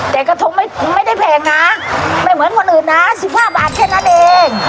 แต่กระทงไม่ได้แพงนะไม่เหมือนคนอื่นนะ๑๕บาทแค่นั้นเอง